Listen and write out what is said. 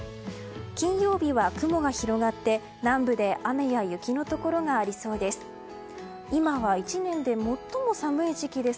金曜日は雲が広がって南部で雨や雪のところがありそうです。